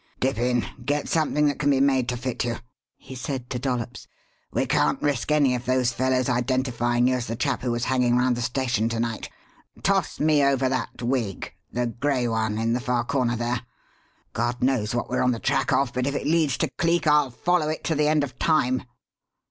"Dip in. Get something that can be made to fit you," he said to Dollops. "We can't risk any of those fellows identifying you as the chap who was hanging round the station to night. Toss me over that wig the gray one in the far corner there. God knows what we're on the track of, but if it leads to Cleek I'll follow it to the end of time!"